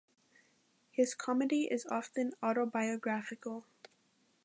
His comedy is often autobiographical.